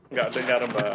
nggak dengar mbak